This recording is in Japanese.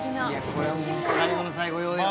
これもう最後の最後用だよね。